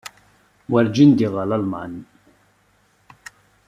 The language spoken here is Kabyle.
Werjin ddiɣ ɣer Lalman.